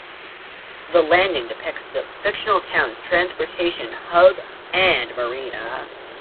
The Landing depicts the fictional town's transportation hub and marina.